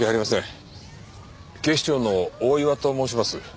警視庁の大岩と申します。